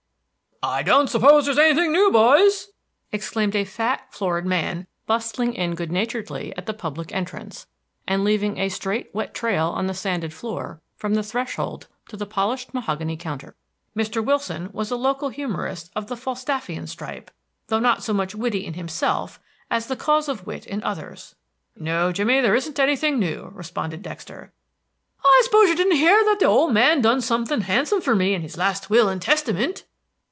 "I don't suppose there's nothing new, boys!" exclaimed a fat, florid man, bustling in good naturedly at the public entrance, and leaving a straight wet trail on the sanded floor from the threshold to the polished mahogany counter. Mr. Wilson was a local humorist of the Falstaffian stripe, though not so much witty in himself as the cause of wit in others. "No, Jimmy, there isn't anything new," responded Dexter. "I suppose you didn't hear that the ole man done somethin' handsome for me in his last will and testyment."